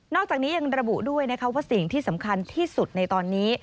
อกจากนี้ยังระบุด้วยนะคะว่าสิ่งที่สำคัญที่สุดในตอนนี้